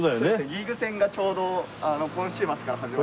リーグ戦がちょうど今週末から始まりまして。